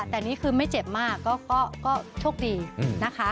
แต่นี่คือไม่เจ็บมากก็โชคดีนะคะ